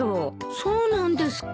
そうなんですか。